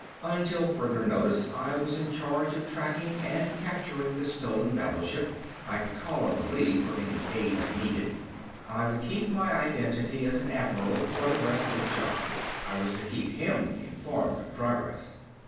Until further notice I was in charge of tracking and capturing the stolen battleship. I could call on the League for any aid I needed. I would keep my identity as an admiral for the rest of the job. I was to keep him informed of progress.